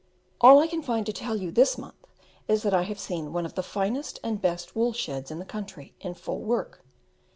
All I can find to tell you this month is that I have seen one of the finest and best wool sheds in the country in full work.